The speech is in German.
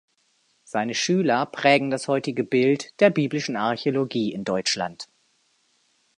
Seine Schüler prägen das heutige Bild der biblischen Archäologie in Deutschland.